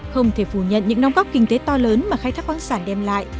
không thể phủ nhận những nông góp kinh tế to lớn mà khai thác khoáng sản đem lại